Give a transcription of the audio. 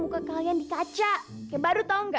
muka kalian dikaca kayak baru tau nggak